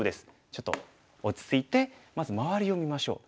ちょっと落ち着いてまず周りを見ましょう。